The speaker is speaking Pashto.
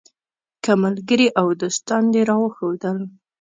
که ملګري او دوستان دې راوښودل.